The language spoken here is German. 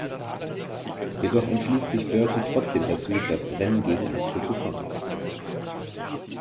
Jedoch entschließt sich Bertie trotzdem dazu, das Rennen gegen Axel zu fahren.